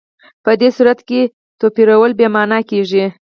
په دې صورت کې توپیرول بې معنا کېږي.